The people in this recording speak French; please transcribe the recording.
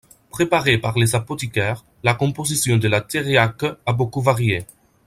Préparée par les apothicaires, la composition de la thériaque a beaucoup varié.